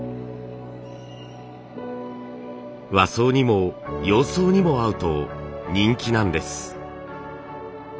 和装にも洋装にも合うと人気なんです。